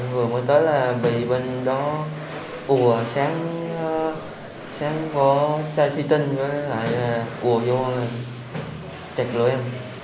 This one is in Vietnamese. vừa mới tới là bị bên đó bùa sáng sáng có chai truy tinh với lại bùa vô chạy lưỡi em